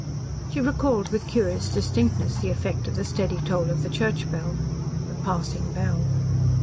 She recalled with curious distinctness the effect of the steady toll of the church bell the "passing bell."